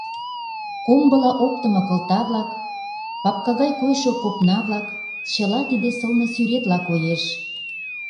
Комбыла оптымо кылта-влак, папка гай койшо копна-влак — чыла тиде сылне сӱретла коеш.